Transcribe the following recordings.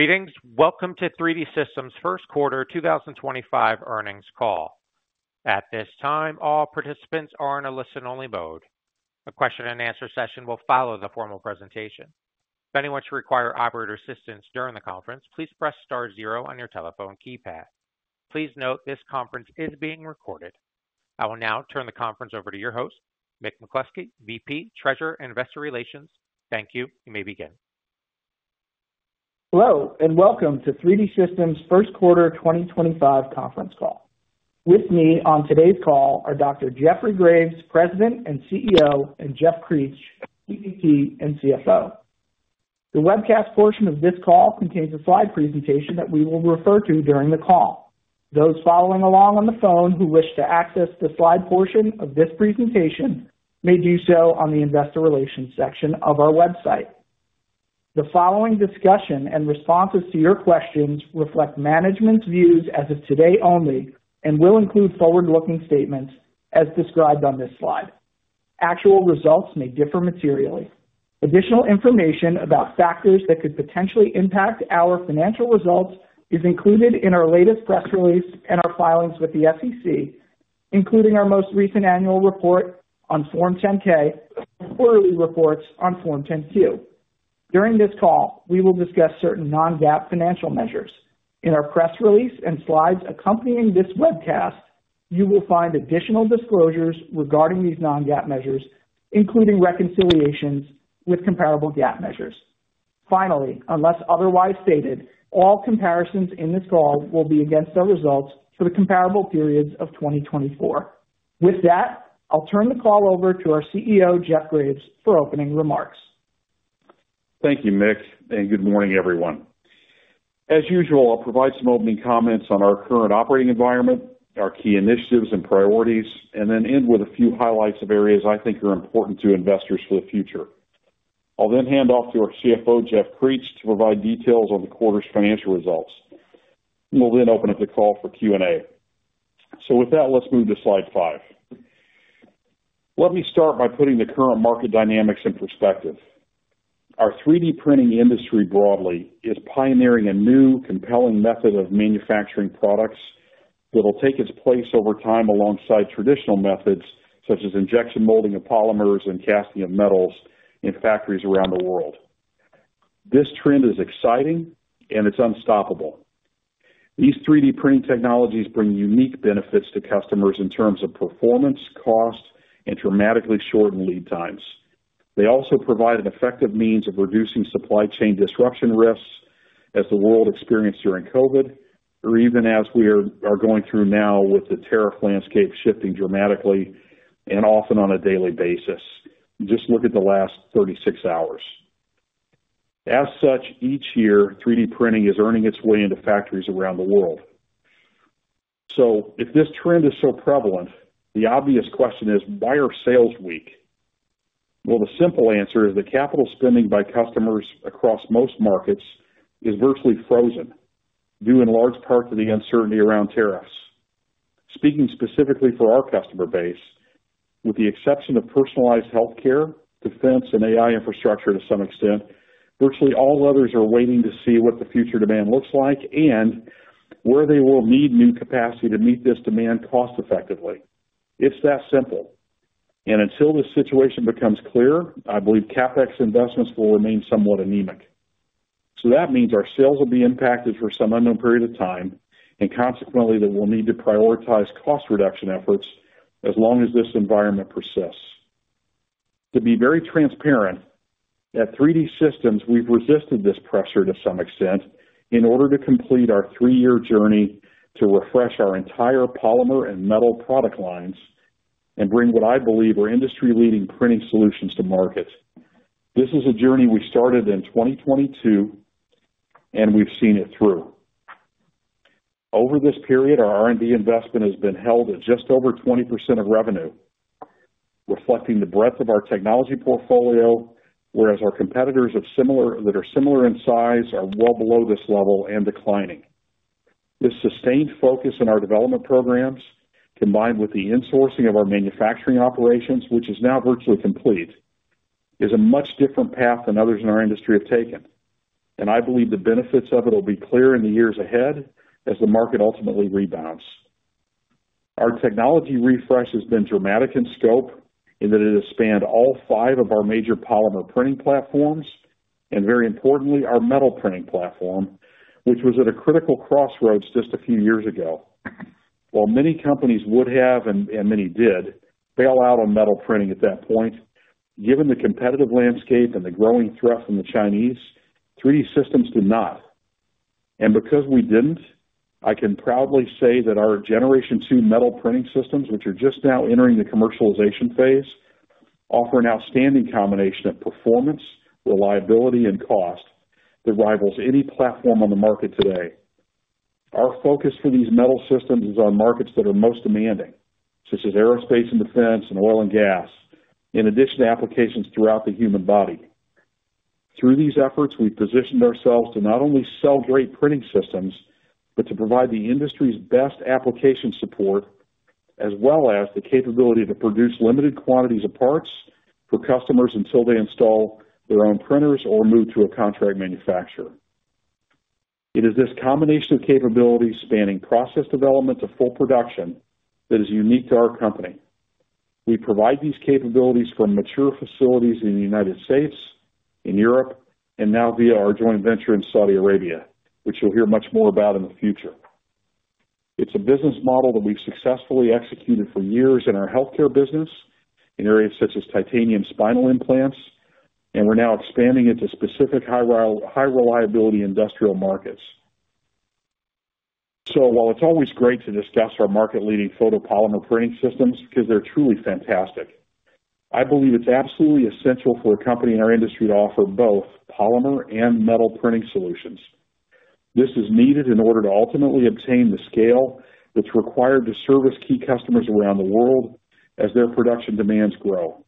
Meetings. Welcome to 3D Systems' first quarter 2025 earnings call. At this time, all participants are in a listen-only mode. A question-and-answer session will follow the formal presentation. If anyone should require operator assistance during the conference, please press star zero on your telephone keypad. Please note this conference is being recorded. I will now turn the conference over to your host, Mick McCloskey, VP, Treasurer and Investor Relations. Thank you. You may begin. Hello and welcome to 3D Systems' first quarter 2025 conference call. With me on today's call are Dr. Jeffrey Graves, President and CEO, and Jeff Creech, VP and CFO. The webcast portion of this call contains a slide presentation that we will refer to during the call. Those following along on the phone who wish to access the slide portion of this presentation may do so on the Investor Relations section of our website. The following discussion and responses to your questions reflect management's views as of today only and will include forward-looking statements as described on this slide. Actual results may differ materially. Additional information about factors that could potentially impact our financial results is included in our latest press release and our filings with the SEC, including our most recent annual report on Form 10-K and quarterly reports on Form 10-Q. During this call, we will discuss certain non-GAAP financial measures. In our press release and slides accompanying this webcast, you will find additional disclosures regarding these non-GAAP measures, including reconciliations with comparable GAAP measures. Finally, unless otherwise stated, all comparisons in this call will be against our results for the comparable periods of 2024. With that, I'll turn the call over to our CEO, Jeff Graves, for opening remarks. Thank you, Mick, and good morning, everyone. As usual, I'll provide some opening comments on our current operating environment, our key initiatives and priorities, and then end with a few highlights of areas I think are important to investors for the future. I'll then hand off to our CFO, Jeff Creech, to provide details on the quarter's financial results. We'll then open up the call for Q&A. With that, let's move to slide five. Let me start by putting the current market dynamics in perspective. Our 3D printing industry broadly is pioneering a new, compelling method of manufacturing products that will take its place over time alongside traditional methods such as injection molding of polymers and casting of metals in factories around the world. This trend is exciting, and it's unstoppable. These 3D printing technologies bring unique benefits to customers in terms of performance, cost, and dramatically shorten lead times. They also provide an effective means of reducing supply chain disruption risks as the world experienced during COVID, or even as we are going through now with the tariff landscape shifting dramatically and often on a daily basis. Just look at the last 36 hours. As such, each year, 3D printing is earning its way into factories around the world. If this trend is so prevalent, the obvious question is, why are sales weak? The simple answer is the capital spending by customers across most markets is virtually frozen, due in large part to the uncertainty around tariffs. Speaking specifically for our customer base, with the exception of personalized healthcare, defense, and AI infrastructure to some extent, virtually all others are waiting to see what the future demand looks like and where they will need new capacity to meet this demand cost-effectively. It is that simple. Until this situation becomes clear, I believe CapEx investments will remain somewhat anemic. That means our sales will be impacted for some unknown period of time, and consequently, that we will need to prioritize cost reduction efforts as long as this environment persists. To be very transparent, at 3D Systems, we have resisted this pressure to some extent in order to complete our three-year journey to refresh our entire polymer and metal product lines and bring what I believe are industry-leading printing solutions to market. This is a journey we started in 2022, and we have seen it through. Over this period, our R&D investment has been held at just over 20% of revenue, reflecting the breadth of our technology portfolio, whereas our competitors that are similar in size are well below this level and declining. This sustained focus in our development programs, combined with the insourcing of our manufacturing operations, which is now virtually complete, is a much different path than others in our industry have taken. I believe the benefits of it will be clear in the years ahead as the market ultimately rebounds. Our technology refresh has been dramatic in scope in that it has spanned all five of our major polymer printing platforms and, very importantly, our metal printing platform, which was at a critical crossroads just a few years ago. While many companies would have, and many did, bail out on metal printing at that point, given the competitive landscape and the growing threat from the Chinese, 3D Systems did not. Because we did not, I can proudly say that our Gen 2 metal printing systems, which are just now entering the commercialization phase, offer an outstanding combination of performance, reliability, and cost that rivals any platform on the market today. Our focus for these metal systems is on markets that are most demanding, such as aerospace and defense and oil and gas, in addition to applications throughout the human body. Through these efforts, we have positioned ourselves to not only sell great printing systems, but to provide the industry's best application support, as well as the capability to produce limited quantities of parts for customers until they install their own printers or move to a contract manufacturer. It is this combination of capabilities spanning process development to full production that is unique to our company. We provide these capabilities for mature facilities in the United States, in Europe, and now via our joint venture in Saudi Arabia, which you'll hear much more about in the future. It's a business model that we've successfully executed for years in our healthcare business in areas such as titanium spinal implants, and we're now expanding into specific high-reliability industrial markets. While it's always great to discuss our market-leading photopolymer printing systems because they're truly fantastic, I believe it's absolutely essential for a company in our industry to offer both polymer and metal printing solutions. This is needed in order to ultimately obtain the scale that's required to service key customers around the world as their production demands grow.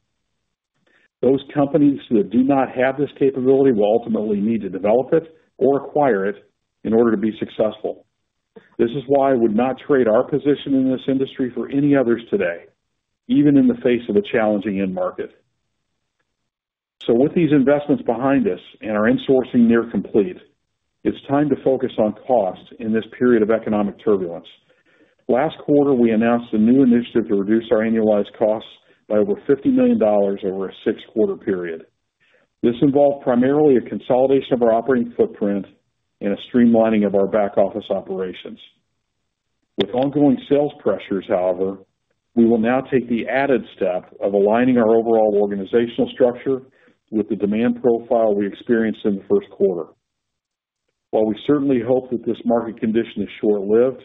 Those companies that do not have this capability will ultimately need to develop it or acquire it in order to be successful. This is why I would not trade our position in this industry for any others today, even in the face of a challenging end market. With these investments behind us and our insourcing near complete, it's time to focus on costs in this period of economic turbulence. Last quarter, we announced a new initiative to reduce our annualized costs by over $50 million over a six-quarter period. This involved primarily a consolidation of our operating footprint and a streamlining of our back-office operations. With ongoing sales pressures, however, we will now take the added step of aligning our overall organizational structure with the demand profile we experienced in the first quarter. While we certainly hope that this market condition is short-lived,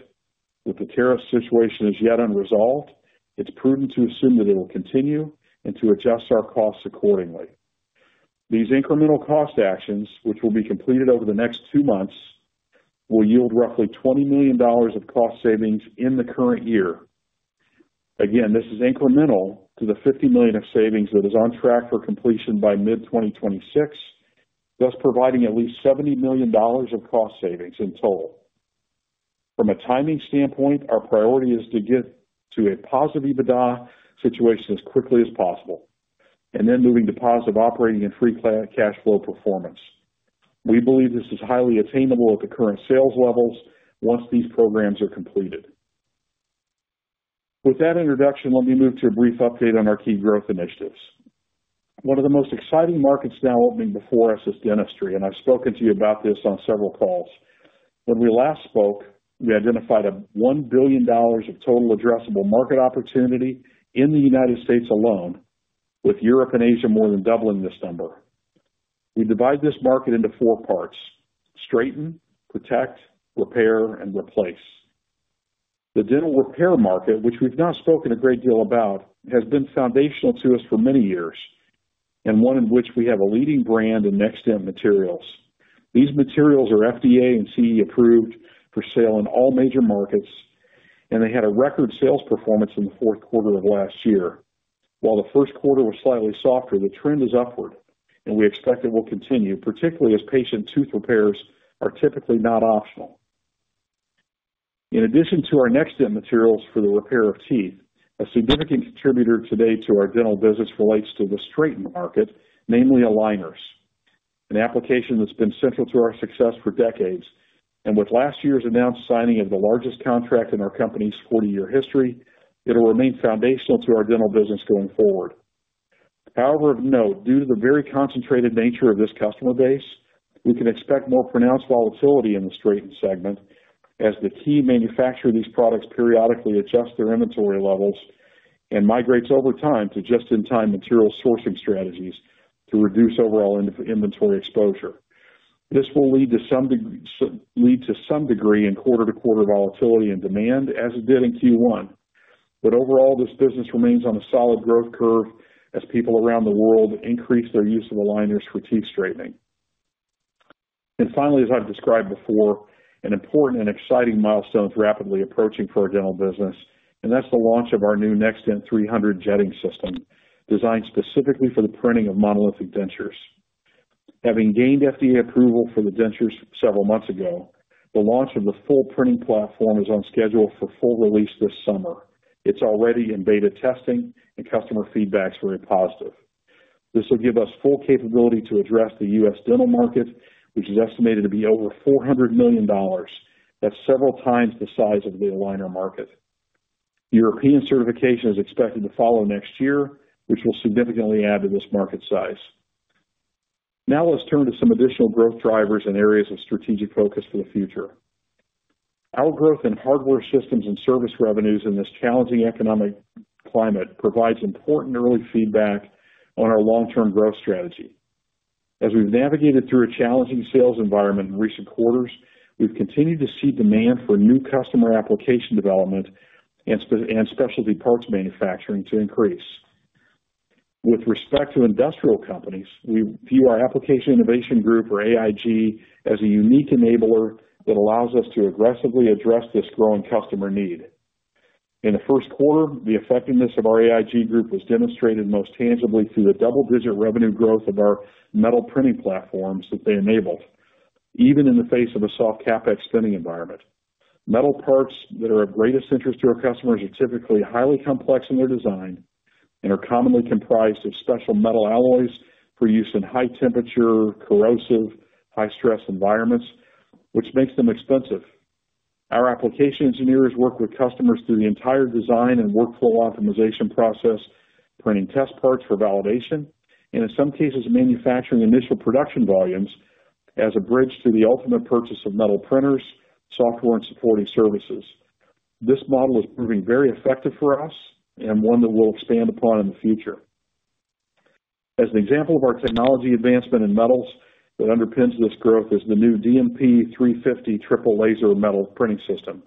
that the tariff situation is yet unresolved, it's prudent to assume that it will continue and to adjust our costs accordingly. These incremental cost actions, which will be completed over the next two months, will yield roughly $20 million of cost savings in the current year. Again, this is incremental to the $50 million of savings that is on track for completion by mid-2026, thus providing at least $70 million of cost savings in total. From a timing standpoint, our priority is to get to a positive EBITDA situation as quickly as possible, and then moving to positive operating and free cash flow performance. We believe this is highly attainable at the current sales levels once these programs are completed. With that introduction, let me move to a brief update on our key growth initiatives. One of the most exciting markets now opening before us is dentistry, and I've spoken to you about this on several calls. When we last spoke, we identified a $1 billion total addressable market opportunity in the United States alone, with Europe and Asia more than doubling this number. We divide this market into four parts: straighten, protect, repair, and replace. The dental repair market, which we've not spoken a great deal about, has been foundational to us for many years, and one in which we have a leading brand in next-gen materials. These materials are FDA and CE approved for sale in all major markets, and they had a record sales performance in the fourth quarter of last year. While the first quarter was slightly softer, the trend is upward, and we expect it will continue, particularly as patient tooth repairs are typically not optional. In addition to our next-gen materials for the repair of teeth, a significant contributor today to our dental business relates to the straighten market, namely aligners, an application that's been central to our success for decades. With last year's announced signing of the largest contract in our company's 40-year history, it'll remain foundational to our dental business going forward. However, of note, due to the very concentrated nature of this customer base, we can expect more pronounced volatility in the straighten segment as the key manufacturer of these products periodically adjusts their inventory levels and migrates over time to just-in-time material sourcing strategies to reduce overall inventory exposure. This will lead to some degree in quarter-to-quarter volatility in demand, as it did in Q1. Overall, this business remains on a solid growth curve as people around the world increase their use of aligners for teeth straightening. Finally, as I've described before, an important and exciting milestone is rapidly approaching for our dental business, and that's the launch of our new NextDent 300 jetting system designed specifically for the printing of monolithic dentures. Having gained FDA approval for the dentures several months ago, the launch of the full printing platform is on schedule for full release this summer. It's already in beta testing, and customer feedback is very positive. This will give us full capability to address the U.S. dental market, which is estimated to be over $400 million. That's several times the size of the aligner market. European certification is expected to follow next year, which will significantly add to this market size. Now let's turn to some additional growth drivers and areas of strategic focus for the future. Our growth in hardware systems and service revenues in this challenging economic climate provides important early feedback on our long-term growth strategy. As we've navigated through a challenging sales environment in recent quarters, we've continued to see demand for new customer application development and specialty parts manufacturing to increase. With respect to industrial companies, we view our Application Innovation Group, or AIG, as a unique enabler that allows us to aggressively address this growing customer need. In the first quarter, the effectiveness of our AIG group was demonstrated most tangibly through the double-digit revenue growth of our metal printing platforms that they enabled, even in the face of a soft CapEx spending environment. Metal parts that are of greatest interest to our customers are typically highly complex in their design and are commonly comprised of special metal alloys for use in high-temperature, corrosive, high-stress environments, which makes them expensive. Our application engineers work with customers through the entire design and workflow optimization process, printing test parts for validation, and in some cases, manufacturing initial production volumes as a bridge to the ultimate purchase of metal printers, software, and supporting services. This model is proving very effective for us and one that we'll expand upon in the future. As an example of our technology advancement in metals that underpins this growth is the new DMP 350 triple laser metal printing system,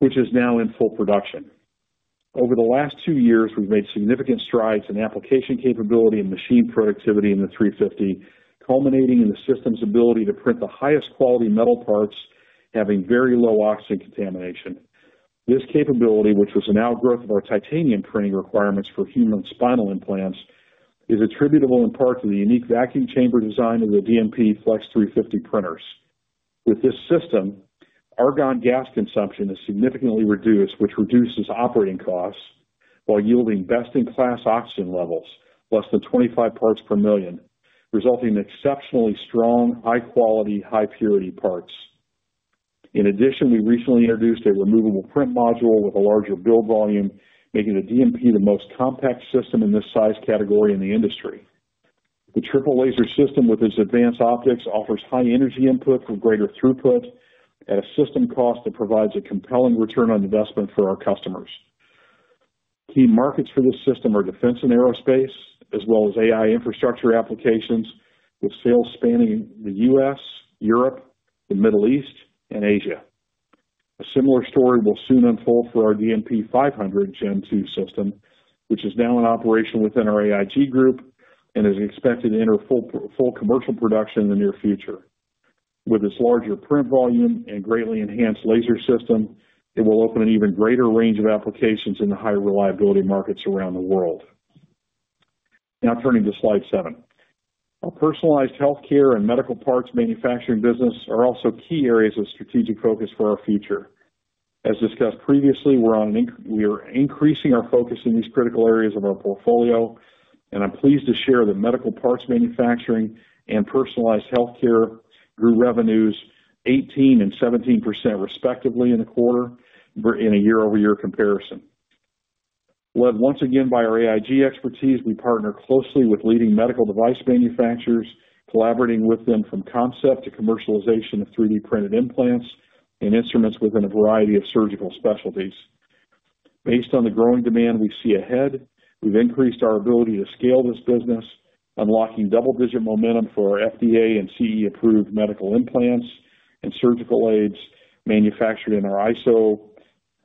which is now in full production. Over the last two years, we've made significant strides in application capability and machine productivity in the 350, culminating in the system's ability to print the highest quality metal parts, having very low oxygen contamination. This capability, which was an outgrowth of our titanium printing requirements for human spinal implants, is attributable in part to the unique vacuum chamber design of the DMP Flex 350 printers. With this system, argon gas consumption is significantly reduced, which reduces operating costs while yielding best-in-class oxygen levels, less than 25 parts per million, resulting in exceptionally strong, high-quality, high-purity parts. In addition, we recently introduced a removable print module with a larger build volume, making the DMP the most compact system in this size category in the industry. The triple laser system, with its advanced optics, offers high energy input for greater throughput at a system cost that provides a compelling return on investment for our customers. Key markets for this system are defense and aerospace, as well as AI infrastructure applications, with sales spanning the U.S., Europe, the Middle East, and Asia. A similar story will soon unfold for our DMP 500 Gen 2 system, which is now in operation within our AIG group and is expected to enter full commercial production in the near future. With its larger print volume and greatly enhanced laser system, it will open an even greater range of applications in the high-reliability markets around the world. Now turning to slide seven, our personalized healthcare and medical parts manufacturing business are also key areas of strategic focus for our future. As discussed previously, we're increasing our focus in these critical areas of our portfolio, and I'm pleased to share that medical parts manufacturing and personalized healthcare grew revenues 18% and 17% respectively in the quarter in a year-over-year comparison. Led once again by our AIG expertise, we partner closely with leading medical device manufacturers, collaborating with them from concept to commercialization of 3D printed implants and instruments within a variety of surgical specialties. Based on the growing demand we see ahead, we've increased our ability to scale this business, unlocking double-digit momentum for our FDA and CE approved medical implants and surgical aids manufactured in our ISO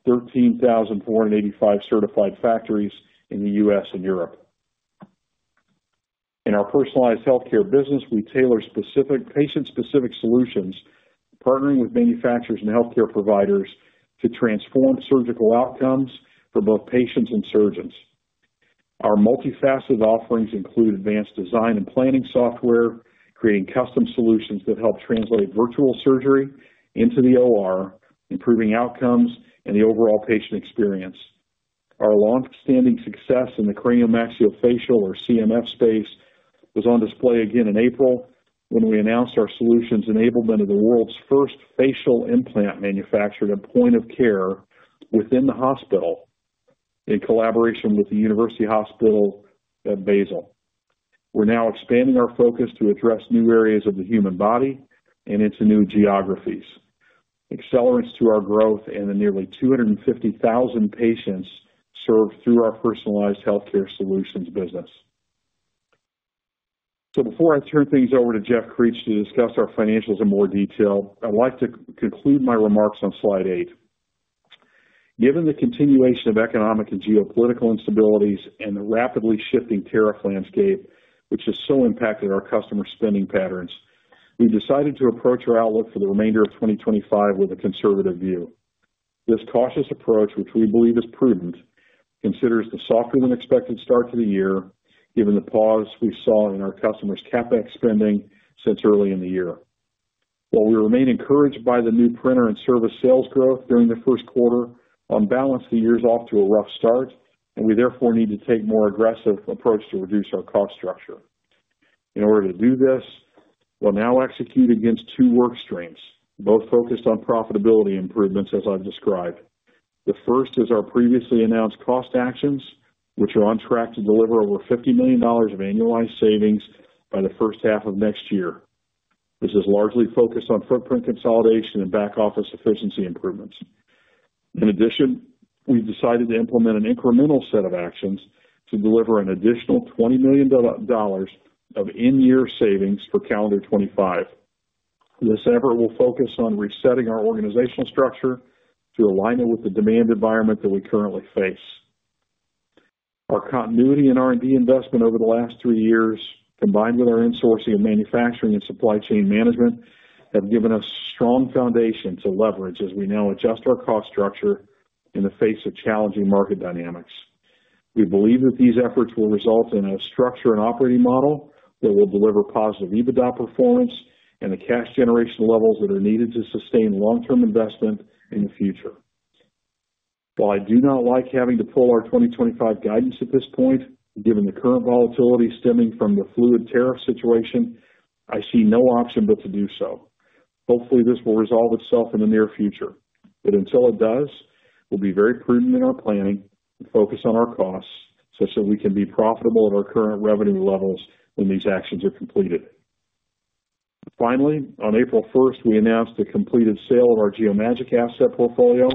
13485 certified factories in the U.S. and Europe. In our personalized healthcare business, we tailor specific patient-specific solutions, partnering with manufacturers and healthcare providers to transform surgical outcomes for both patients and surgeons. Our multifaceted offerings include advanced design and planning software, creating custom solutions that help translate virtual surgery into the OR, improving outcomes and the overall patient experience. Our longstanding success in the cranial maxillofacial, or CMF, space was on display again in April when we announced our solutions enablement of the world's first facial implant manufactured at point of care within the hospital in collaboration with the University Hospital Basel. We're now expanding our focus to address new areas of the human body and into new geographies. Accelerants to our growth and the nearly 250,000 patients served through our personalized healthcare solutions business. Before I turn things over to Jeff Creech to discuss our financials in more detail, I'd like to conclude my remarks on slide eight. Given the continuation of economic and geopolitical instabilities and the rapidly shifting tariff landscape, which has so impacted our customer spending patterns, we've decided to approach our outlook for the remainder of 2025 with a conservative view. This cautious approach, which we believe is prudent, considers the softer than expected start to the year, given the pause we saw in our customers' CapEx spending since early in the year. While we remain encouraged by the new printer and service sales growth during the first quarter, on balance, the year's off to a rough start, and we therefore need to take a more aggressive approach to reduce our cost structure. In order to do this, we'll now execute against two work streams, both focused on profitability improvements, as I've described. The first is our previously announced cost actions, which are on track to deliver over $50 million of annualized savings by the first half of next year. This is largely focused on footprint consolidation and back-office efficiency improvements. In addition, we've decided to implement an incremental set of actions to deliver an additional $20 million of in-year savings for calendar 2025. This effort will focus on resetting our organizational structure to align it with the demand environment that we currently face. Our continuity in R&D investment over the last three years, combined with our insourcing and manufacturing and supply chain management, have given us a strong foundation to leverage as we now adjust our cost structure in the face of challenging market dynamics. We believe that these efforts will result in a structure and operating model that will deliver positive EBITDA performance and the cash generation levels that are needed to sustain long-term investment in the future. While I do not like having to pull our 2025 guidance at this point, given the current volatility stemming from the fluid tariff situation, I see no option but to do so. Hopefully, this will resolve itself in the near future. Until it does, we'll be very prudent in our planning and focus on our costs such that we can be profitable at our current revenue levels when these actions are completed. Finally, on April 1st, we announced the completed sale of our Geomagic asset portfolio.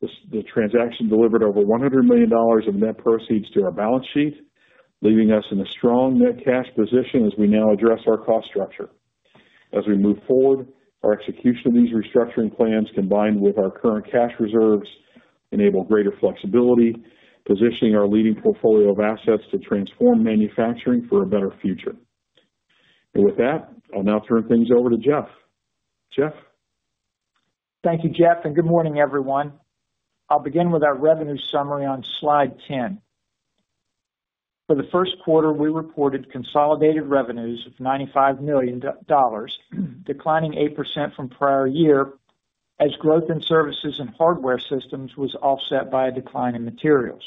The transaction delivered over $100 million of net proceeds to our balance sheet, leaving us in a strong net cash position as we now address our cost structure. As we move forward, our execution of these restructuring plans, combined with our current cash reserves, enable greater flexibility, positioning our leading portfolio of assets to transform manufacturing for a better future. With that, I'll now turn things over to Jeff. Jeff, thank you, and good morning, everyone. I'll begin with our revenue summary on slide 10. For the first quarter, we reported consolidated revenues of $95 million, declining 8% from prior year as growth in services and hardware systems was offset by a decline in materials.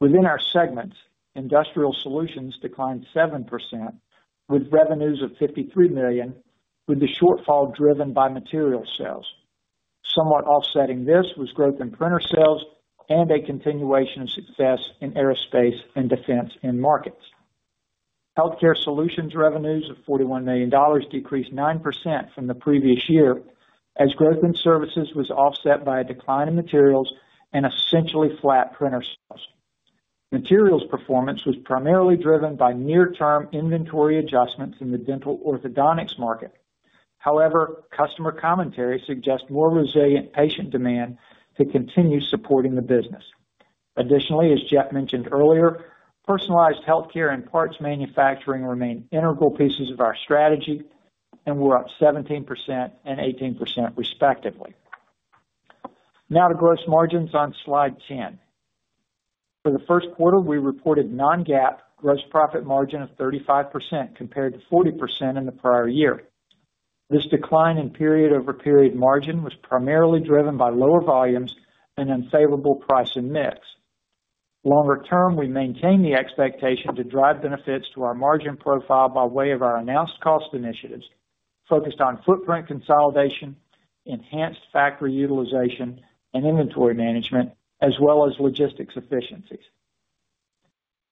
Within our segment, industrial solutions declined 7% with revenues of $53 million, with the shortfall driven by material sales. Somewhat offsetting this was growth in printer sales and a continuation of success in aerospace and defense markets. Healthcare solutions revenues of $41 million decreased 9% from the previous year as growth in services was offset by a decline in materials and essentially flat printer sales. Materials performance was primarily driven by near-term inventory adjustments in the dental orthodontics market. However, customer commentary suggests more resilient patient demand to continue supporting the business. Additionally, as Jeff mentioned earlier, personalized healthcare and parts manufacturing remain integral pieces of our strategy, and we're up 17% and 18% respectively. Now to gross margins on slide 10. For the first quarter, we reported non-GAAP gross profit margin of 35% compared to 40% in the prior year. This decline in period-over-period margin was primarily driven by lower volumes and unfavorable pricing mix. Longer term, we maintain the expectation to drive benefits to our margin profile by way of our announced cost initiatives focused on footprint consolidation, enhanced factory utilization, and inventory management, as well as logistics efficiencies.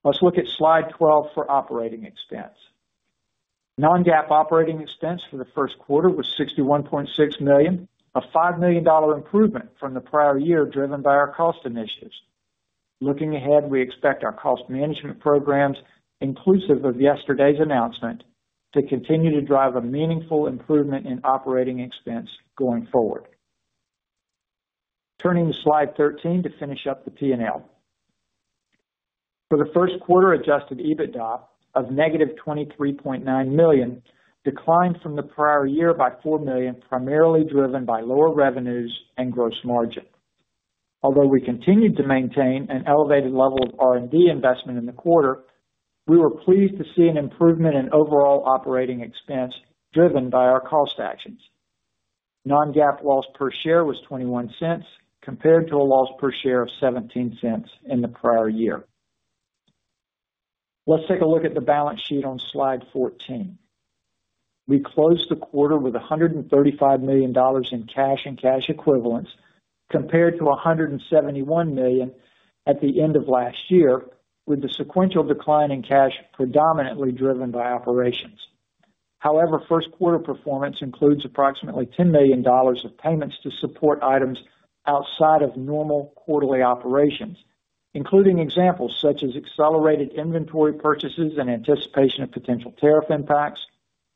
Let's look at slide 12 for operating expense. Non-GAAP operating expense for the first quarter was $61.6 million, a $5 million improvement from the prior year driven by our cost initiatives. Looking ahead, we expect our cost management programs, inclusive of yesterday's announcement, to continue to drive a meaningful improvement in operating expense going forward. Turning to slide 13 to finish up the P&L. For the first quarter, adjusted EBITDA of negative $23.9 million declined from the prior year by $4 million, primarily driven by lower revenues and gross margin. Although we continued to maintain an elevated level of R&D investment in the quarter, we were pleased to see an improvement in overall operating expense driven by our cost actions. Non-GAAP loss per share was $0.21 compared to a loss per share of $0.17 in the prior year. Let's take a look at the balance sheet on slide 14. We closed the quarter with $135 million in cash and cash equivalents compared to $171 million at the end of last year, with the sequential decline in cash predominantly driven by operations. However, first quarter performance includes approximately $10 million of payments to support items outside of normal quarterly operations, including examples such as accelerated inventory purchases in anticipation of potential tariff impacts,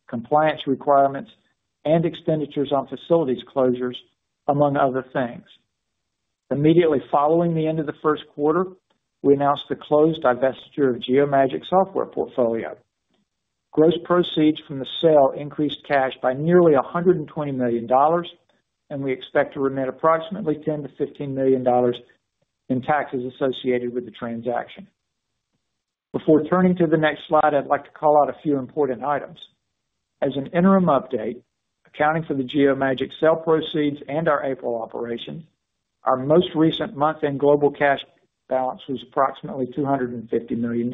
compliance requirements, and expenditures on facilities closures, among other things. Immediately following the end of the first quarter, we announced the closed divestiture of Geomagic software portfolio. Gross proceeds from the sale increased cash by nearly $120 million, and we expect to remit approximately $10million-$15 million in taxes associated with the transaction. Before turning to the next slide, I'd like to call out a few important items. As an interim update, accounting for the Geomagic sale proceeds and our April operations, our most recent month in global cash balance was approximately $250 million.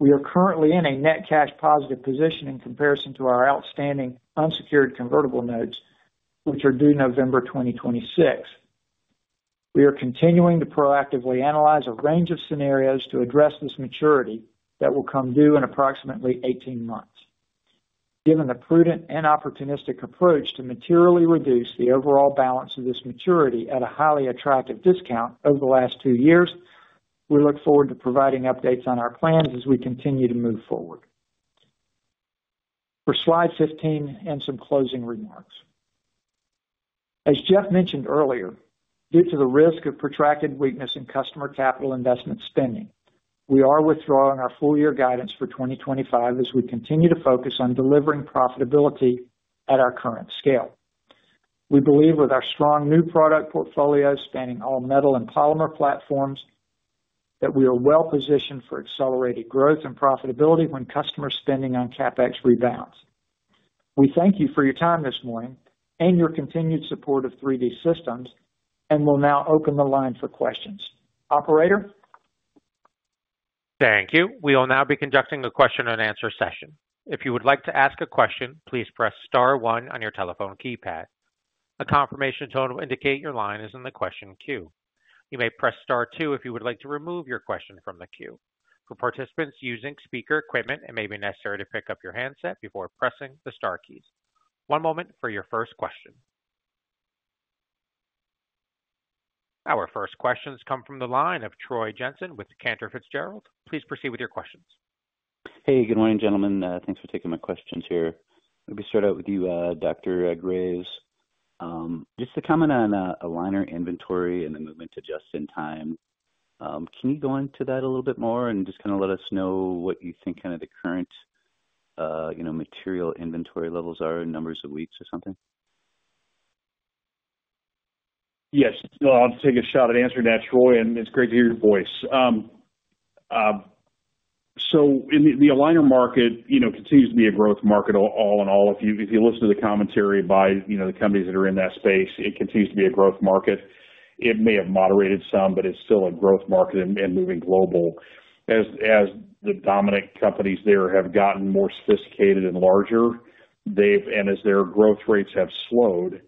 We are currently in a net cash positive position in comparison to our outstanding unsecured convertible notes, which are due November 2026. We are continuing to proactively analyze a range of scenarios to address this maturity that will come due in approximately 18 months. Given the prudent and opportunistic approach to materially reduce the overall balance of this maturity at a highly attractive discount over the last two years, we look forward to providing updates on our plans as we continue to move forward. For slide 15 and some closing remarks. As Jeff mentioned earlier, due to the risk of protracted weakness in customer capital investment spending, we are withdrawing our full-year guidance for 2025 as we continue to focus on delivering profitability at our current scale. We believe with our strong new product portfolio spanning all metal and polymer platforms that we are well positioned for accelerated growth and profitability when customers' spending on CapEx rebounds. We thank you for your time this morning and your continued support of 3D Systems, and we'll now open the line for questions. Operator. Thank you. We will now be conducting a question and answer session. If you would like to ask a question, please press star one on your telephone keypad. A confirmation tone will indicate your line is in the question queue. You may press star two if you would like to remove your question from the queue. For participants using speaker equipment, it may be necessary to pick up your handset before pressing the star keys. One moment for your first question. Our first questions come from the line of Troy Jensen with Cantor Fitzgerald. Please proceed with your questions. Hey, good morning, gentlemen. Thanks for taking my questions here. Let me start out with you, Dr. Graves. Just to comment on aligner inventory and the movement to just-in-time, can you go into that a little bit more and just kind of let us know what you think kind of the current material inventory levels are in numbers of weeks or something? Yes. I'll take a shot at answering that, Troy, and it's great to hear your voice. In the aligner market, it continues to be a growth market all in all. If you listen to the commentary by the companies that are in that space, it continues to be a growth market. It may have moderated some, but it's still a growth market and moving global. As the dominant companies there have gotten more sophisticated and larger, and as their growth rates have slowed,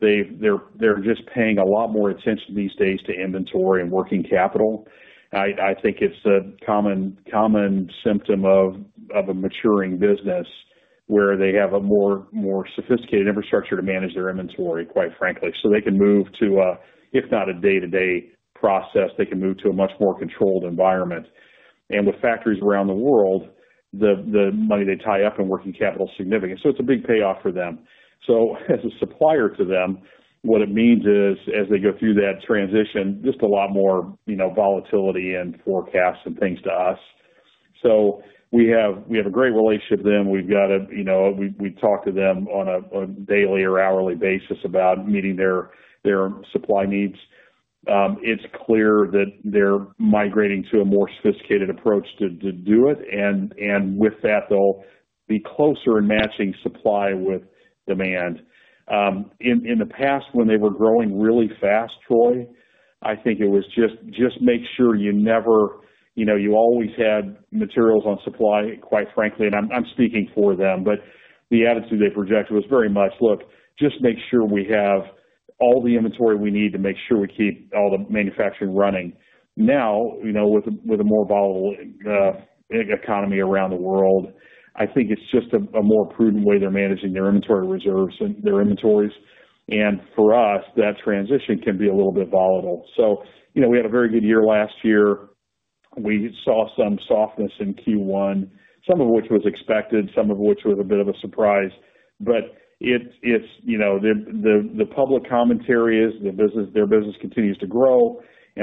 they're just paying a lot more attention these days to inventory and working capital. I think it's a common symptom of a maturing business where they have a more sophisticated infrastructure to manage their inventory, quite frankly. They can move to, if not a day-to-day process, a much more controlled environment. With factories around the world, the money they tie up in working capital is significant. It's a big payoff for them. As a supplier to them, what it means is, as they go through that transition, just a lot more volatility in forecasts and things to us. We have a great relationship with them. We talk to them on a daily or hourly basis about meeting their supply needs. It's clear that they're migrating to a more sophisticated approach to do it, and with that, they'll be closer in matching supply with demand. In the past, when they were growing really fast, Troy, I think it was just, "Just make sure you never—you always had materials on supply," quite frankly. I am speaking for them, but the attitude they projected was very much, "Look, just make sure we have all the inventory we need to make sure we keep all the manufacturing running." Now, with a more volatile economy around the world, I think it is just a more prudent way they are managing their inventory reserves and their inventories. For us, that transition can be a little bit volatile. We had a very good year last year. We saw some softness in Q1, some of which was expected, some of which was a bit of a surprise. The public commentary is their business continues to grow.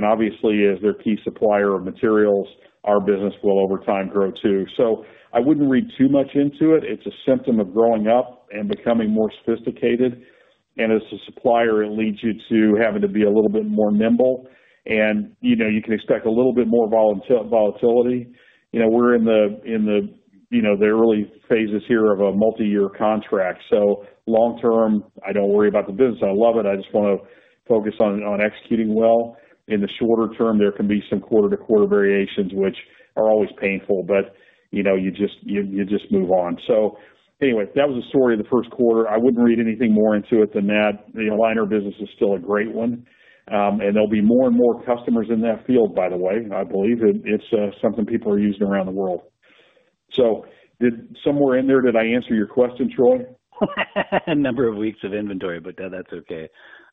Obviously, as their key supplier of materials, our business will, over time, grow too. I would not read too much into it. It is a symptom of growing up and becoming more sophisticated. As a supplier, it leads you to having to be a little bit more nimble. You can expect a little bit more volatility. We are in the early phases here of a multi-year contract. Long term, I do not worry about the business. I love it. I just want to focus on executing well. In the shorter term, there can be some quarter-to-quarter variations, which are always painful, but you just move on. That was the story of the first quarter. I would not read anything more into it than that. The aligner business is still a great one. There will be more and more customers in that field, by the way. I believe it is something people are using around the world. So somewhere in there, did I answer your question, Troy? A number of weeks of inventory, but that's okay.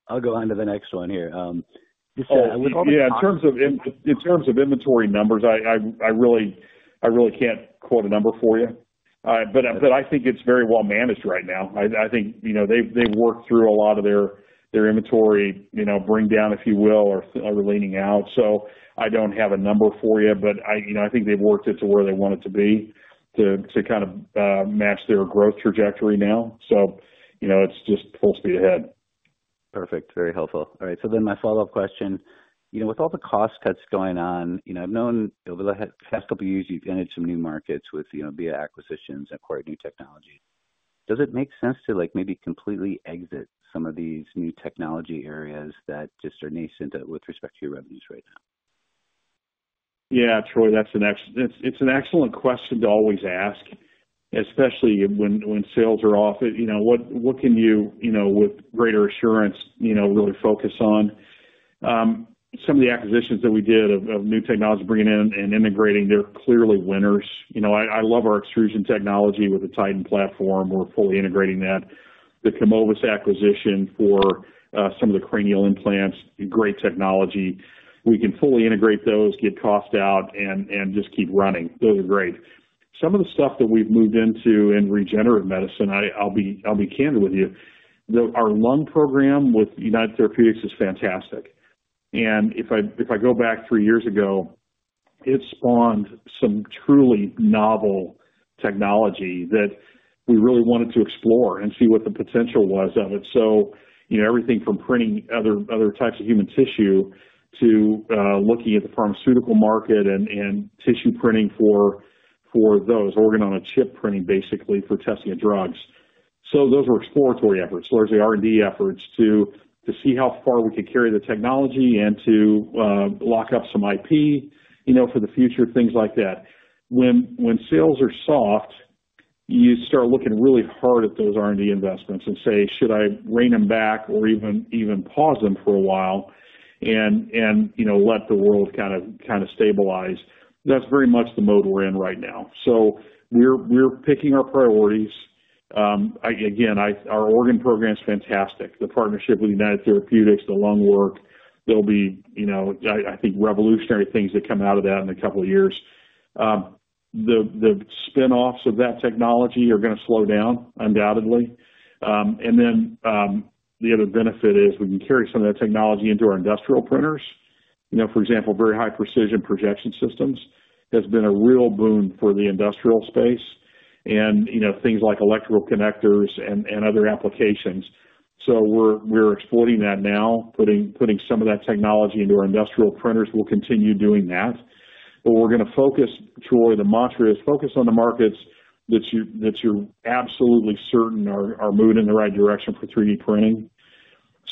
I'll go on to the next one here. Yeah. In terms of inventory numbers, I really can't quote a number for you. But I think it's very well managed right now. I think they've worked through a lot of their inventory bringdown, if you will, or leaning out. So I don't have a number for you, but I think they've worked it to where they want it to be to kind of match their growth trajectory now. So it's just full speed ahead. Perfect. Very helpful. All right. So then my follow-up question. With all the cost cuts going on, I've known over the past couple of years, you've entered some new markets via acquisitions and acquired new technology. Does it make sense to maybe completely exit some of these new technology areas that just are nascent with respect to your revenues right now? Yeah, Troy, that's an excellent question to always ask, especially when sales are off. What can you, with greater assurance, really focus on? Some of the acquisitions that we did of new technologies bringing in and integrating, they're clearly winners. I love our extrusion technology with the Titan platform. We're fully integrating that. The Camovis acquisition for some of the cranial implants, great technology. We can fully integrate those, get cost out, and just keep running. Those are great. Some of the stuff that we've moved into in regenerative medicine, I'll be candid with you, our lung program with United Therapeutics is fantastic. If I go back three years ago, it spawned some truly novel technology that we really wanted to explore and see what the potential was of it. Everything from printing other types of human tissue to looking at the pharmaceutical market and tissue printing for those, organ-on-a-chip printing, basically, for testing of drugs. Those were exploratory efforts. There were the R&D efforts to see how far we could carry the technology and to lock up some IP for the future, things like that. When sales are soft, you start looking really hard at those R&D investments and say, "Should I rein them back or even pause them for a while and let the world kind of stabilize?" That is very much the mode we're in right now. We are picking our priorities. Again, our organ program is fantastic. The partnership with United Therapeutics, the lung work, there'll be, I think, revolutionary things that come out of that in a couple of years. The spinoffs of that technology are going to slow down, undoubtedly. The other benefit is we can carry some of that technology into our industrial printers. For example, very high-precision projection systems has been a real boon for the industrial space and things like electrical connectors and other applications. We are exploiting that now, putting some of that technology into our industrial printers. We'll continue doing that. We are going to focus, Troy, the mantra is focus on the markets that you're absolutely certain are moving in the right direction for 3D printing.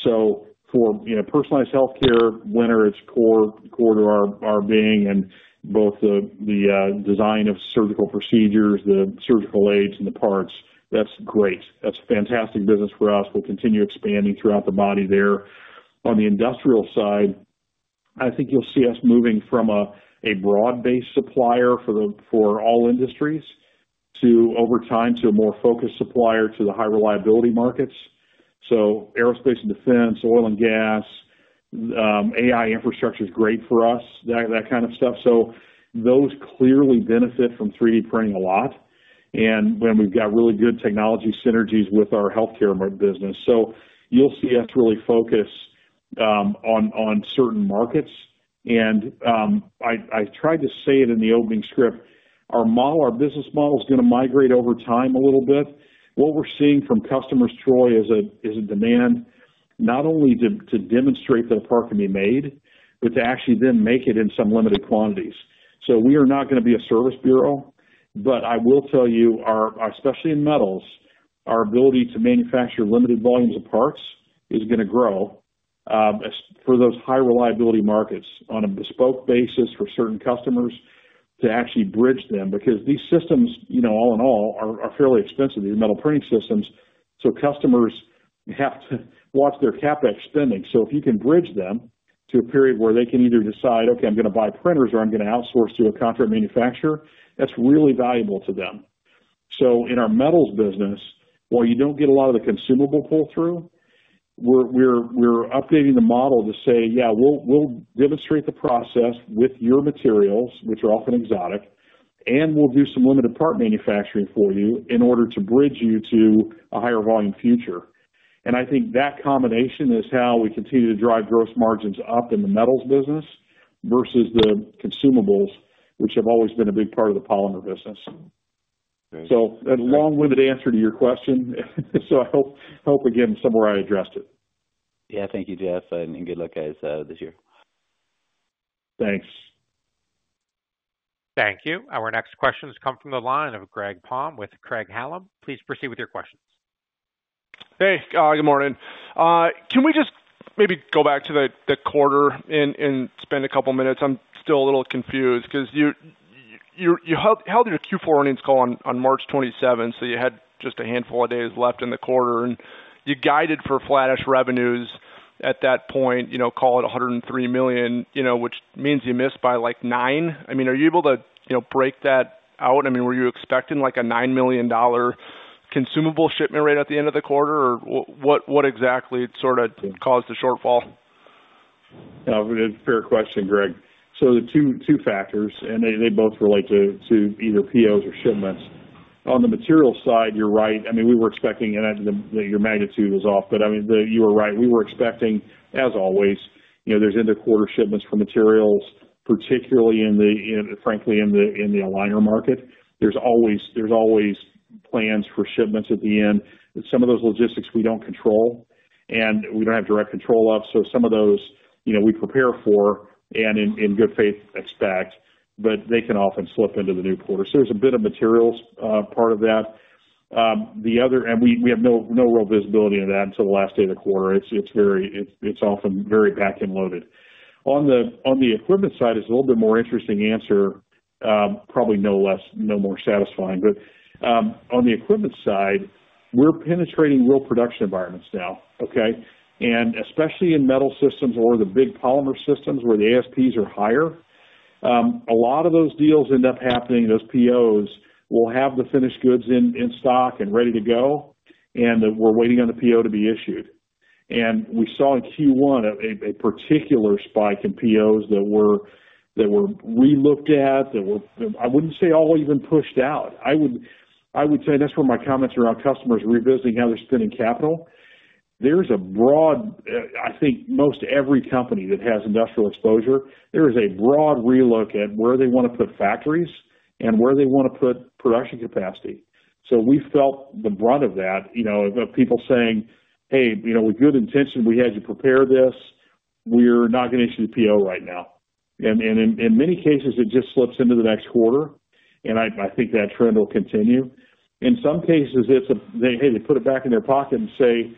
For personalized healthcare, winter, it's core to our being. Both the design of surgical procedures, the surgical aids, and the parts, that's great. That's a fantastic business for us. We'll continue expanding throughout the body there. On the industrial side, I think you'll see us moving from a broad-based supplier for all industries to, over time, to a more focused supplier to the high-reliability markets. Aerospace and defense, oil and gas, AI infrastructure is great for us, that kind of stuff. Those clearly benefit from 3D printing a lot. When we've got really good technology synergies with our healthcare business, you'll see us really focus on certain markets. I tried to say it in the opening script, our business model is going to migrate over time a little bit. What we're seeing from customers, Troy, is a demand not only to demonstrate that a part can be made, but to actually then make it in some limited quantities. We are not going to be a service bureau. I will tell you, especially in metals, our ability to manufacture limited volumes of parts is going to grow for those high-reliability markets on a bespoke basis for certain customers to actually bridge them. Because these systems, all in all, are fairly expensive, these metal printing systems. Customers have to watch their CapEx spending. If you can bridge them to a period where they can either decide, "Okay, I'm going to buy printers or I'm going to outsource to a contract manufacturer," that's really valuable to them. In our metals business, while you do not get a lot of the consumable pull-through, we are updating the model to say, "Yeah, we will demonstrate the process with your materials, which are often exotic, and we will do some limited part manufacturing for you in order to bridge you to a higher volume future." I think that combination is how we continue to drive gross margins up in the metals business versus the consumables, which have always been a big part of the polymer business. That is a long-winded answer to your question. I hope, again, somewhere I addressed it. Yeah. Thank you, Jeff. Good luck, guys, this year. Thanks. Thank you. Our next questions come from the line of Greg Palm with Craig-Hallum Capital Group. Please proceed with your questions. Hey. Good morning. Can we just maybe go back to the quarter and spend a couple of minutes? I'm still a little confused because you held your Q4 earnings call on March 27th, so you had just a handful of days left in the quarter. And you guided for flattish revenues at that point, call it $103 million, which means you missed by like nine. I mean, are you able to break that out? I mean, were you expecting like a $9 million consumable shipment rate at the end of the quarter, or what exactly sort of caused the shortfall? Fair question, Greg. So two factors, and they both relate to either POs or shipments. On the materials side, you're right. I mean, we were expecting that your magnitude was off, but I mean, you were right. We were expecting, as always, there's interquarter shipments for materials, particularly, frankly, in the aligner market. There's always plans for shipments at the end. Some of those logistics, we do not control, and we do not have direct control of. Some of those, we prepare for and in good faith expect, but they can often slip into the new quarter. There is a bit of materials part of that. We have no real visibility of that until the last day of the quarter. It is often very back-end loaded. On the equipment side, it is a little bit more interesting answer, probably no more satisfying. On the equipment side, we are penetrating real production environments now, okay? Especially in metal systems or the big polymer systems where the ASPs are higher, a lot of those deals end up happening. Those POs will have the finished goods in stock and ready to go, and we are waiting on the PO to be issued. We saw in Q1 a particular spike in POs that were relooked at, that were, I wouldn't say all even pushed out. I would say that's where my comments around customers revisiting how they're spending capital. There's a broad, I think most every company that has industrial exposure, there is a broad relook at where they want to put factories and where they want to put production capacity. We felt the brunt of that of people saying, "Hey, with good intention, we had you prepare this. We're not going to issue the PO right now." In many cases, it just slips into the next quarter. I think that trend will continue. In some cases, it's a, "Hey, they put it back in their pocket and say,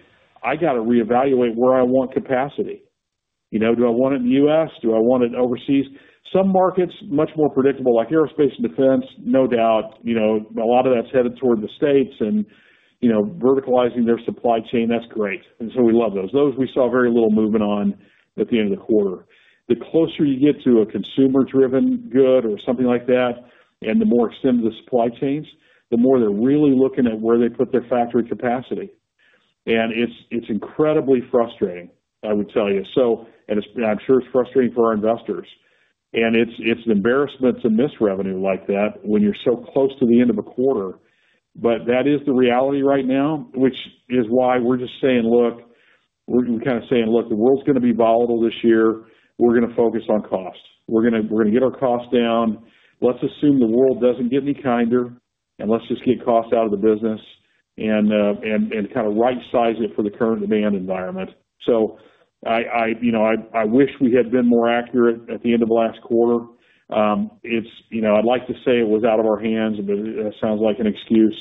'I got to reevaluate where I want capacity. Do I want it in the U.S.? Do I want it overseas? Some markets, much more predictable, like aerospace and defense, no doubt. A lot of that is headed toward the states and verticalizing their supply chain. That is great. We love those. Those we saw very little movement on at the end of the quarter. The closer you get to a consumer-driven good or something like that, and the more extended the supply chains, the more they are really looking at where they put their factory capacity. It is incredibly frustrating, I would tell you. I am sure it is frustrating for our investors. It is an embarrassment to miss revenue like that when you are so close to the end of a quarter. That is the reality right now, which is why we are just saying, "Look," we are kind of saying, "Look, the world is going to be volatile this year. We are going to focus on cost. We're going to get our cost down. Let's assume the world doesn't get any kinder, and let's just get cost out of the business and kind of right-size it for the current demand environment. I wish we had been more accurate at the end of last quarter. I'd like to say it was out of our hands, but it sounds like an excuse.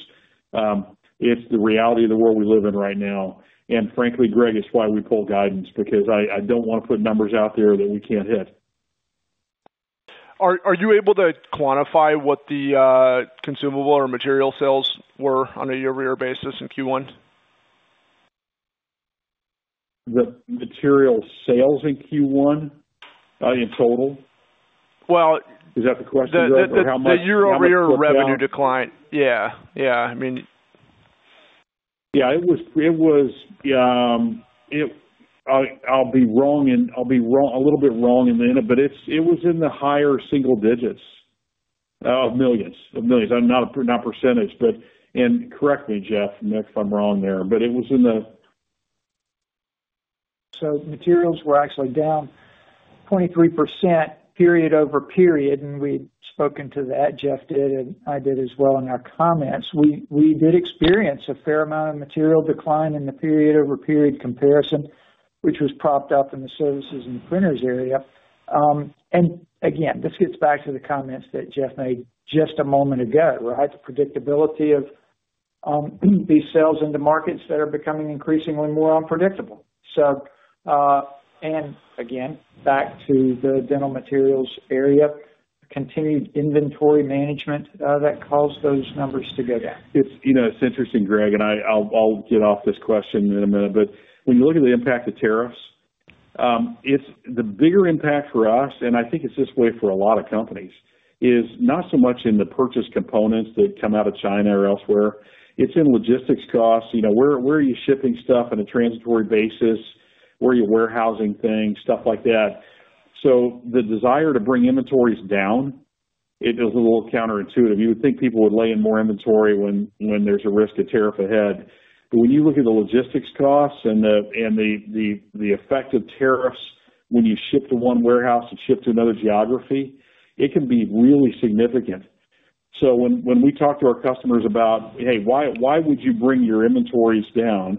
It's the reality of the world we live in right now. Frankly, Greg, it's why we pull guidance, because I don't want to put numbers out there that we can't hit. Are you able to quantify what the consumable or material sales were on a year-over-year basis in Q1? The material sales in Q1 in total? Is that the question? The year-over-year revenue decline. Yeah. I mean. Yeah. It was, I'll be wrong, and I'll be a little bit wrong in the end, but it was in the higher single digits of millions. Of millions. Not percentage, but. And correct me, Jeff, if I'm wrong there. It was in the. Materials were actually down 23% period over period. We'd spoken to that, Jeff did, and I did as well in our comments. We did experience a fair amount of material decline in the period over period comparison, which was propped up in the services and printers area. This gets back to the comments that Jeff made just a moment ago, right? The predictability of these sales into markets that are becoming increasingly more unpredictable. Again, back to the dental materials area, continued inventory management that caused those numbers to go down. It's interesting, Greg, and I'll get off this question in a minute. When you look at the impact of tariffs, the bigger impact for us, and I think it's this way for a lot of companies, is not so much in the purchase components that come out of China or elsewhere. It's in logistics costs. Where are you shipping stuff on a transitory basis? Where are you warehousing things? Stuff like that. The desire to bring inventories down, it is a little counterintuitive. You would think people would lay in more inventory when there's a risk of tariff ahead. When you look at the logistics costs and the effect of tariffs when you ship to one warehouse and ship to another geography, it can be really significant. When we talk to our customers about, "Hey, why would you bring your inventories down?"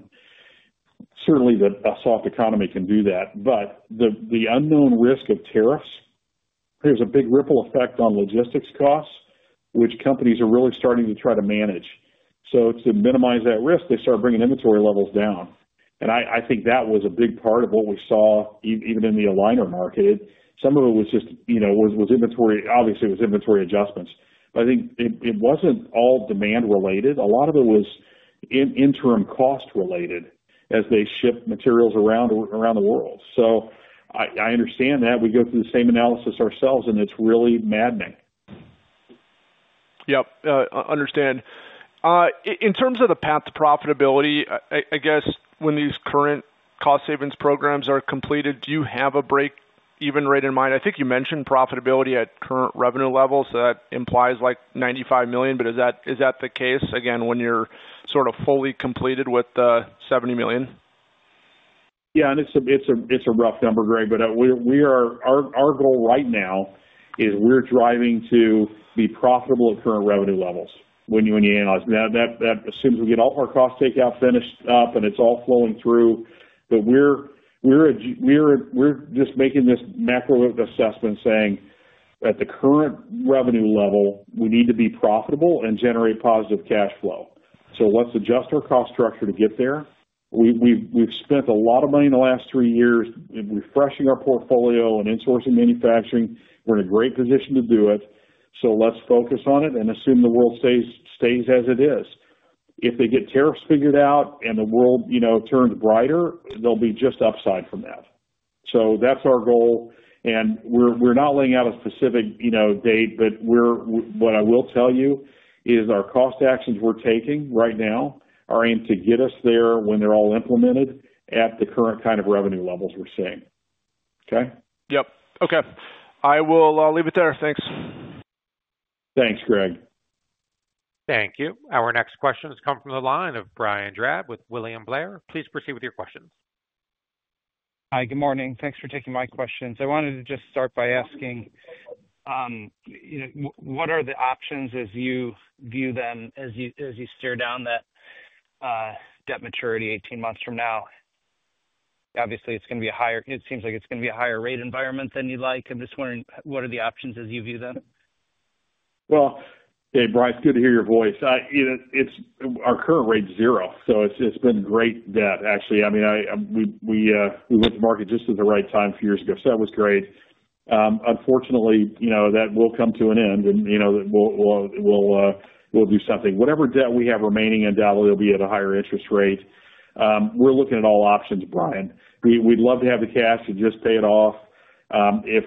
Certainly, the soft economy can do that. The unknown risk of tariffs, there's a big ripple effect on logistics costs, which companies are really starting to try to manage. To minimize that risk, they start bringing inventory levels down. I think that was a big part of what we saw even in the aligner market. Some of it was just, obviously, it was inventory adjustments. I think it wasn't all demand-related. A lot of it was interim cost-related as they ship materials around the world. I understand that. We go through the same analysis ourselves, and it's really maddening. Yep. Understand. In terms of the path to profitability, I guess when these current cost savings programs are completed, do you have a break-even rate in mind? I think you mentioned profitability at current revenue levels. That implies like $95 million. Is that the case, again, when you're sort of fully completed with the $70 million? Yeah. It's a rough number, Greg. Our goal right now is we're driving to be profitable at current revenue levels when you analyze that. That assumes we get all of our cost takeout finished up, and it's all flowing through. We're just making this macro assessment saying at the current revenue level, we need to be profitable and generate positive cash flow. Let's adjust our cost structure to get there. We've spent a lot of money in the last three years refreshing our portfolio and insourcing manufacturing. We're in a great position to do it. Let's focus on it and assume the world stays as it is. If they get tariffs figured out and the world turns brighter, there will be just upside from that. That is our goal. We are not laying out a specific date, but what I will tell you is our cost actions we are taking right now are aimed to get us there when they are all implemented at the current kind of revenue levels we are seeing. Okay? Yep. Okay. I will leave it there. Thanks. Thanks, Greg. Thank you. Our next question has come from the line of Brian Drab with William Blair. Please proceed with your questions. Hi. Good morning. Thanks for taking my questions. I wanted to just start by asking, what are the options as you view them as you steer down that debt maturity 18 months from now? Obviously, it is going to be a higher, it seems like it is going to be a higher rate environment than you would like. I'm just wondering, what are the options as you view them? Hey, Bryce, good to hear your voice. Our current rate's zero. It's been great debt, actually. I mean, we went to market just at the right time a few years ago. That was great. Unfortunately, that will come to an end, and we'll do something. Whatever debt we have remaining undoubtedly will be at a higher interest rate. We're looking at all options, Brian. We'd love to have the cash and just pay it off. If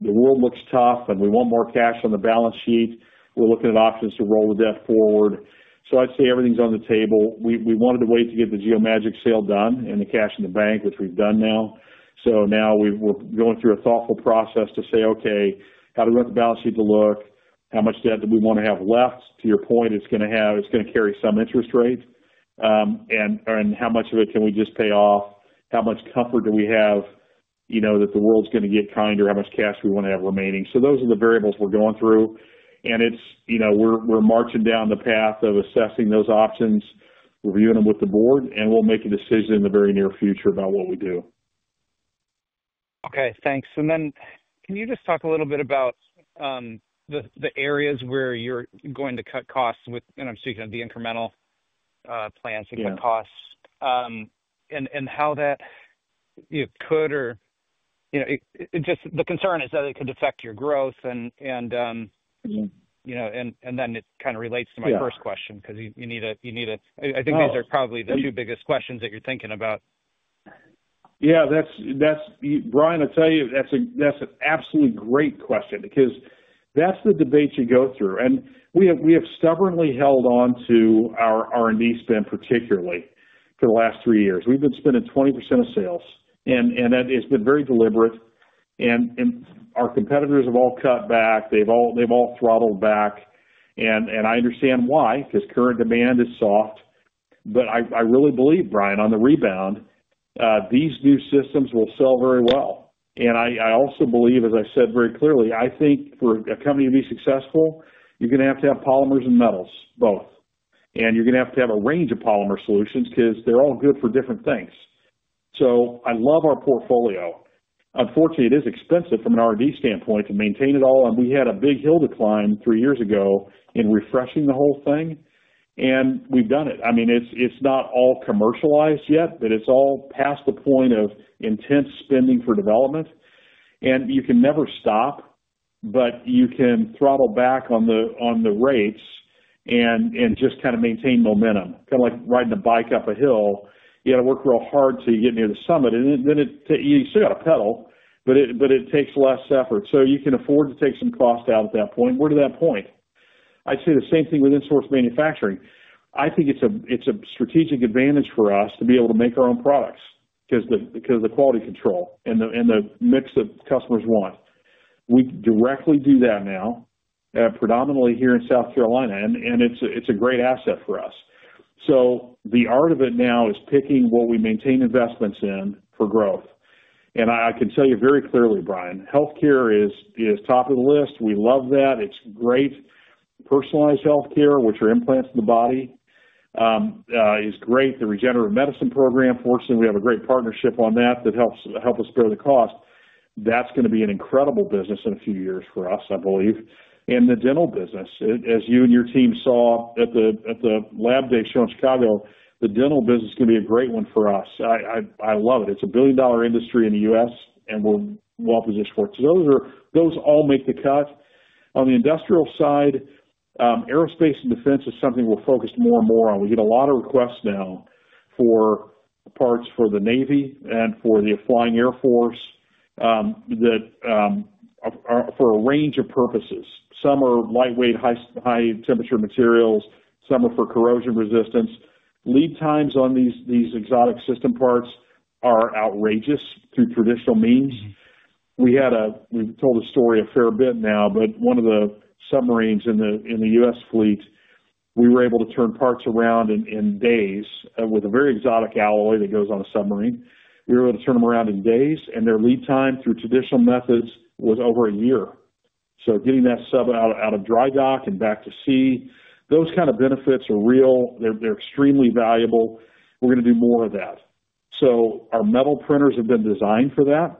the world looks tough and we want more cash on the balance sheet, we're looking at options to roll the debt forward. I'd say everything's on the table. We wanted to wait to get the Geomagic sale done and the cash in the bank, which we've done now. Now we're going through a thoughtful process to say, "Okay, how do we want the balance sheet to look? How much debt do we want to have left?" To your point, it's going to carry some interest rate. How much of it can we just pay off? How much comfort do we have that the world's going to get kinder? How much cash do we want to have remaining? Those are the variables we're going through. We're marching down the path of assessing those options, reviewing them with the board, and we'll make a decision in the very near future about what we do. Okay. Thanks. Can you just talk a little bit about the areas where you're going to cut costs with, and I'm speaking of the incremental plans to cut costs, and how that could or just the concern is that it could affect your growth. It kind of relates to my first question because you need to, I think these are probably the two biggest questions that you're thinking about. Yeah. Brian, I'll tell you, that's an absolutely great question because that's the debate you go through. We have stubbornly held on to our R&D spend, particularly for the last three years. We've been spending 20% of sales, and it's been very deliberate. Our competitors have all cut back. They've all throttled back. I understand why, because current demand is soft. I really believe, Brian, on the rebound, these new systems will sell very well. I also believe, as I said very clearly, I think for a company to be successful, you're going to have to have polymers and metals both. You're going to have to have a range of polymer solutions because they're all good for different things. I love our portfolio. Unfortunately, it is expensive from an R&D standpoint to maintain it all. We had a big hill decline three years ago in refreshing the whole thing. We've done it. I mean, it's not all commercialized yet, but it's all past the point of intense spending for development. You can never stop, but you can throttle back on the rates and just kind of maintain momentum. Kind of like riding a bike up a hill. You got to work real hard to get near the summit. You still got to pedal, but it takes less effort. You can afford to take some cost out at that point. We are to that point. I'd say the same thing with insource manufacturing. I think it's a strategic advantage for us to be able to make our own products because of the quality control and the mix that customers want. We directly do that now, predominantly here in South Carolina, and it's a great asset for us. The art of it now is picking what we maintain investments in for growth. I can tell you very clearly, Brian, healthcare is top of the list. We love that. It's great. Personalized healthcare, which are implants in the body, is great. The regenerative medicine program, fortunately, we have a great partnership on that that helps us bear the cost. That's going to be an incredible business in a few years for us, I believe. The dental business, as you and your team saw at the lab day show in Chicago, the dental business is going to be a great one for us. I love it. It's a billion-dollar industry in the U.S., and we're well-positioned for it. Those all make the cut. On the industrial side, aerospace and defense is something we're focused more and more on. We get a lot of requests now for parts for the Navy and for the flying Air Force for a range of purposes. Some are lightweight, high-temperature materials. Some are for corrosion resistance. Lead times on these exotic system parts are outrageous through traditional means. We've told a story a fair bit now, but one of the submarines in the U.S. fleet, we were able to turn parts around in days with a very exotic alloy that goes on a submarine. We were able to turn them around in days, and their lead time through traditional methods was over a year. Getting that sub out of dry dock and back to sea, those kind of benefits are real. They're extremely valuable. We're going to do more of that. Our metal printers have been designed for that.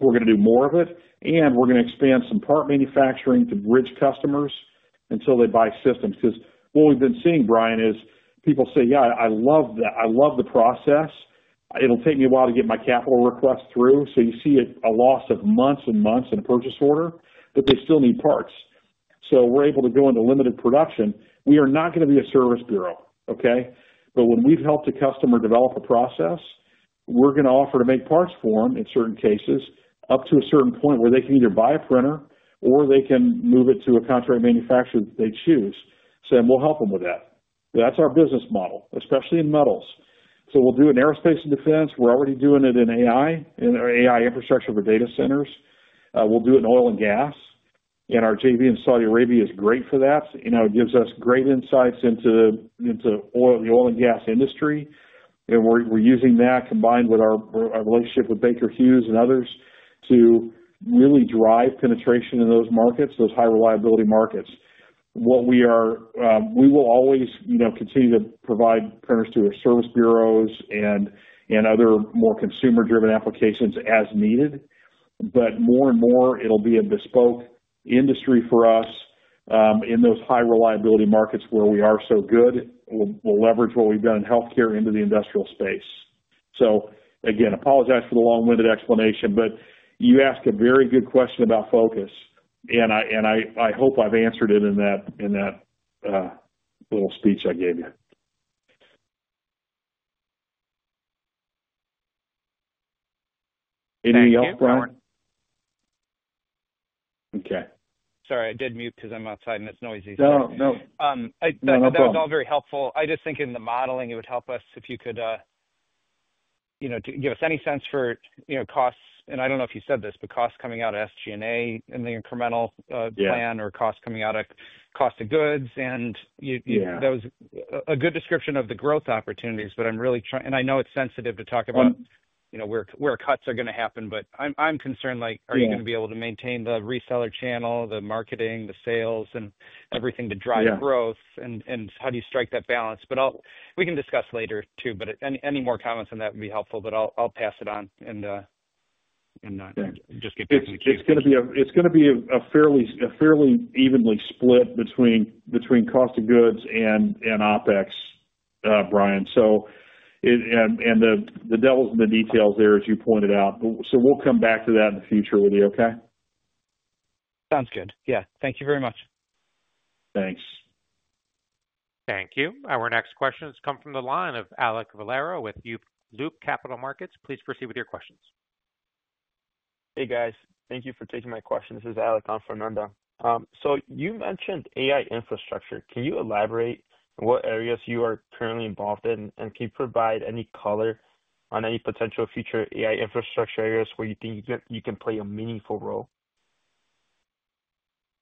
We're going to do more of it, and we're going to expand some part manufacturing to bridge customers until they buy systems. Because what we've been seeing, Brian, is people say, "Yeah, I love the process. It'll take me a while to get my capital request through." You see a loss of months and months in a purchase order, but they still need parts. We're able to go into limited production. We are not going to be a service bureau, okay? When we've helped a customer develop a process, we're going to offer to make parts for them in certain cases up to a certain point where they can either buy a printer or they can move it to a contract manufacturer that they choose. We will help them with that. That's our business model, especially in metals. We will do it in aerospace and defense. We're already doing it in AI, in our AI infrastructure for data centers. We will do it in oil and gas. Our JV in Saudi Arabia is great for that. It gives us great insights into the oil and gas industry. We are using that combined with our relationship with Baker Hughes and others to really drive penetration in those markets, those high-reliability markets. We will always continue to provide printers to our service bureaus and other more consumer-driven applications as needed. More and more, it will be a bespoke industry for us. In those high-reliability markets where we are so good, we will leverage what we have done in healthcare into the industrial space. Again, I apologize for the long-winded explanation, but you asked a very good question about focus, and I hope I have answered it in that little speech I gave you. Anything else, Brian? Okay. Sorry, I did mute because I am outside and it is noisy. No, no. That was all very helpful. I just think in the modeling, it would help us if you could give us any sense for costs. I don't know if you said this, but costs coming out of SG&A and the incremental plan or costs coming out of cost of goods. That was a good description of the growth opportunities, but I'm really trying—and I know it's sensitive to talk about where cuts are going to happen. I'm concerned, like, are you going to be able to maintain the reseller channel, the marketing, the sales, and everything to drive growth? How do you strike that balance? We can discuss later too. Any more comments on that would be helpful, but I'll pass it on and just get to the key questions. It's going to be a fairly evenly split between cost of goods and OpEx, Brian. The devil's in the details there, as you pointed out. We'll come back to that in the future with you, okay? Sounds good. Yeah. Thank you very much. Thanks. Thank you. Our next questions come from the line of Alek Valero with Loop Capital Markets. Please proceed with your questions. Hey, guys. Thank you for taking my question. This is Alek on Fernando. You mentioned AI infrastructure. Can you elaborate on what areas you are currently involved in? Can you provide any color on any potential future AI infrastructure areas where you think you can play a meaningful role?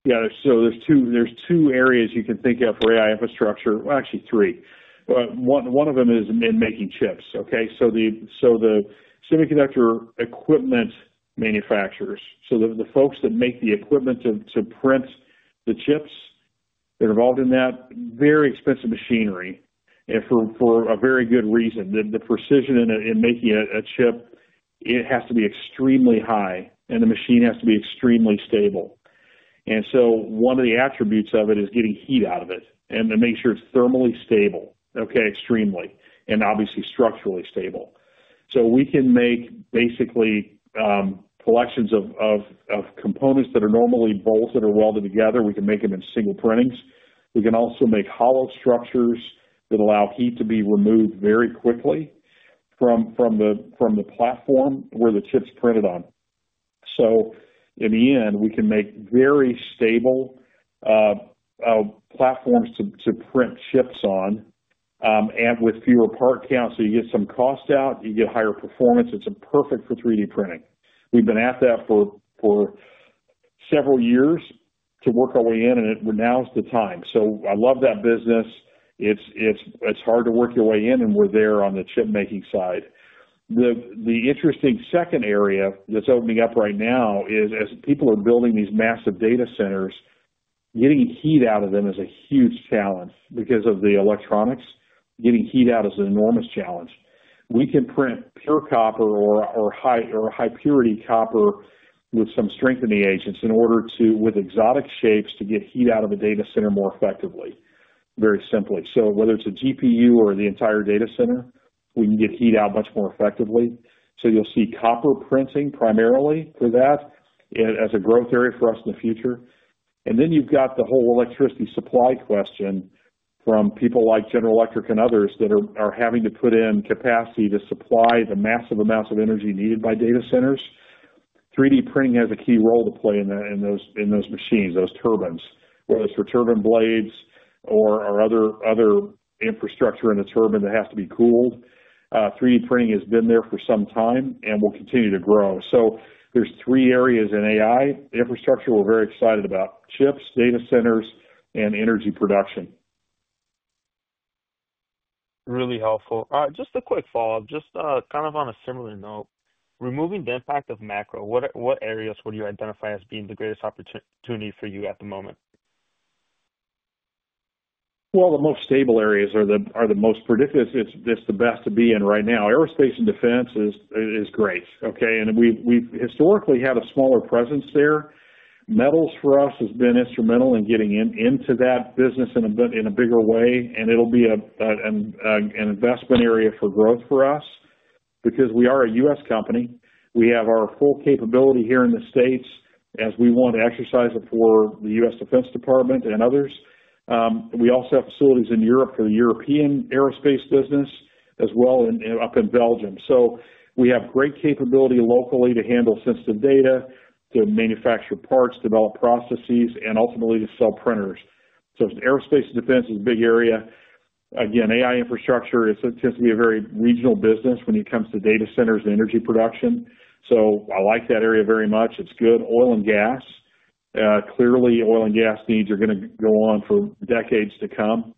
Yeah. There are two areas you can think of for AI infrastructure. Actually, three. One of them is in making chips, okay? The semiconductor equipment manufacturers, the folks that make the equipment to print the chips, they're involved in that very expensive machinery for a very good reason. The precision in making a chip, it has to be extremely high, and the machine has to be extremely stable. One of the attributes of it is getting heat out of it and to make sure it's thermally stable, okay? Extremely, and obviously structurally stable. We can make basically collections of components that are normally bolted or welded together. We can make them in single printings. We can also make hollow structures that allow heat to be removed very quickly from the platform where the chip's printed on. In the end, we can make very stable platforms to print chips on and with fewer part counts. You get some cost out, you get higher performance. It's perfect for 3D printing. We've been at that for several years to work our way in, and now's the time. I love that business. It's hard to work your way in, and we're there on the chip-making side. The interesting second area that's opening up right now is, as people are building these massive data centers, getting heat out of them is a huge challenge because of the electronics. Getting heat out is an enormous challenge. We can print pure copper or high-purity copper with some strengthening agents in order to, with exotic shapes, get heat out of a data center more effectively, very simply. Whether it's a GPU or the entire data center, we can get heat out much more effectively. You'll see copper printing primarily for that as a growth area for us in the future. Then you've got the whole electricity supply question from people like General Electric and others that are having to put in capacity to supply the massive amounts of energy needed by data centers. 3D printing has a key role to play in those machines, those turbines, whether it's for turbine blades or other infrastructure in the turbine that has to be cooled. 3D printing has been there for some time and will continue to grow. There are three areas in AI infrastructure we're very excited about: chips, data centers, and energy production. Really helpful. Just a quick follow-up, just kind of on a similar note, removing the impact of macro, what areas would you identify as being the greatest opportunity for you at the moment? The most stable areas are the most predictable. It's the best to be in right now. Aerospace and defense is great, okay? We have historically had a smaller presence there. Metals for us has been instrumental in getting into that business in a bigger way. It will be an investment area for growth for us because we are a U.S. company. We have our full capability here in the States as we want to exercise it for the U.S. Defense Department and others. We also have facilities in Europe for the European aerospace business as well up in Belgium. We have great capability locally to handle sensitive data, to manufacture parts, develop processes, and ultimately to sell printers. Aerospace and defense is a big area. Again, AI infrastructure tends to be a very regional business when it comes to data centers and energy production. I like that area very much. It is good. Oil and gas, clearly, oil and gas needs are going to go on for decades to come.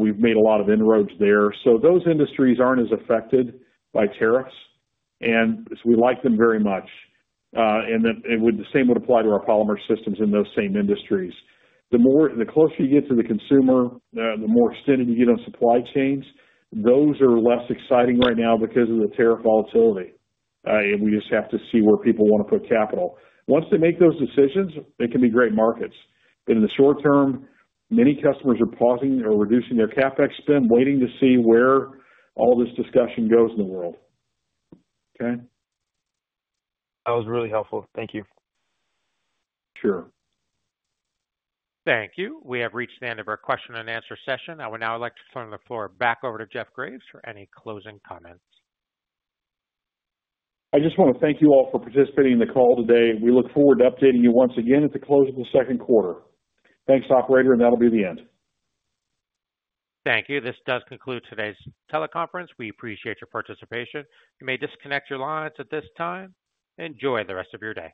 We've made a lot of inroads there. Those industries aren't as affected by tariffs, and we like them very much. The same would apply to our polymer systems in those same industries. The closer you get to the consumer, the more extended you get on supply chains, those are less exciting right now because of the tariff volatility. We just have to see where people want to put capital. Once they make those decisions, they can be great markets. In the short term, many customers are pausing or reducing their CapEx spend, waiting to see where all this discussion goes in the world, okay? That was really helpful. Thank you. Sure. Thank you. We have reached the end of our question and answer session. I would now like to turn the floor back over to Jeff Graves for any closing comments. I just want to thank you all for participating in the call today. We look forward to updating you once again at the close of the second quarter. Thanks, operator, and that'll be the end. Thank you. This does conclude today's teleconference. We appreciate your participation. You may disconnect your lines at this time. Enjoy the rest of your day.